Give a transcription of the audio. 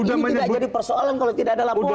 ini tidak jadi persoalan kalau tidak ada laporan